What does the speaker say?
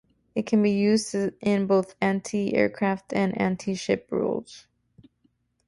It can be used in both anti-aircraft and anti-ship roles.